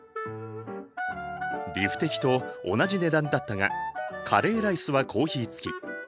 ビフテキと同じ値段だったがカレーライスはコーヒー付き。